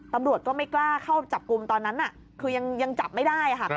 ตำรวจก็ไม่กล้าเข้าจับกลุ่มตอนนั้นคือยังจับไม่ได้ค่ะ